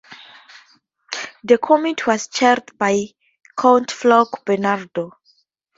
The committee was chaired by count Folke Bernadotte.